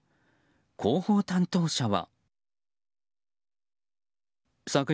広報担当者は。